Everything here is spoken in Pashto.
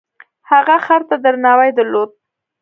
هغه خر ته درناوی درلود.